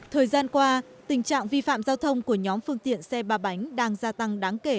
thời gian qua tình trạng vi phạm giao thông của nhóm phương tiện xe ba bánh đang gia tăng đáng kể tại thủ đô